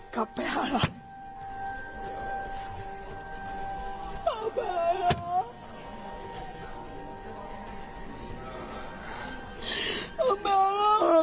กลับไปฮะล่ะ